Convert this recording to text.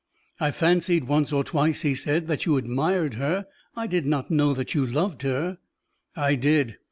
"I fancied once or twice," he said, "that you admired her. I did not know you loved her." "I did.